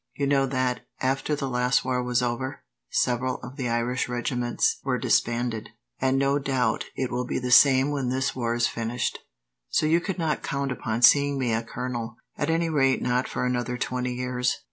You know that, after the last war was over, several of the Irish regiments were disbanded, and no doubt it will be the same when this war is finished, so you could not count upon seeing me a colonel, at any rate not for another twenty years."